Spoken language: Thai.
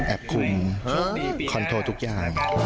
คุมคอนโทรทุกอย่าง